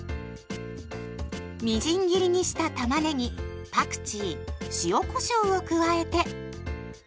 みじん切りにしたたまねぎパクチー塩こしょうを加えて。